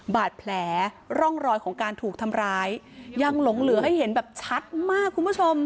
บาดแผลร่องรอยของการถูกทำร้ายยังหลงเหลือให้เห็นแบบชัดมากคุณผู้ชม